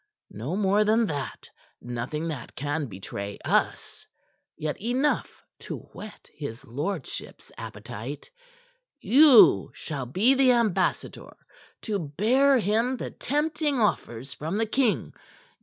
No more than that; nothing that can betray us; yet enough to whet his lordship's appetite. You shall be the ambassador to bear him the tempting offers from the king.